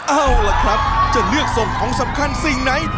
เอาล่ะครับจะเลือกส่งของสำคัญสิ่งไหน